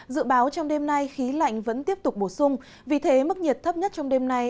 dự báo trong đêm nay khí lạnh vẫn tiếp tục bổ sung vì thế mức nhiệt thấp nhất trong đêm nay